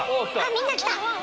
みんな来た！